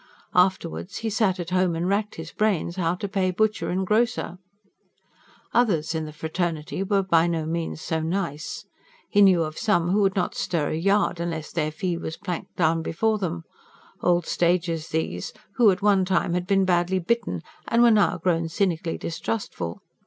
Afterwards he sat at home and racked his brains how to pay butcher and grocer. Others of the fraternity were by no means so nice. He knew of some who would not stir a yard unless their fee was planked down before them old stagers these, who at one time had been badly bitten and were now grown cynically distrustful.